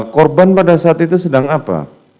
korban pada saat itu sedang apa